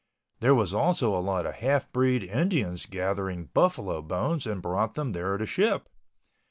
There was also a lot of half breed Indians gathering buffalo bones and brought them there to ship.